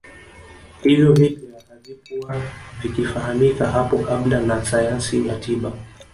Hivyo vipya havikuwa vikifahamika hapo kabla na sayansi ya tiba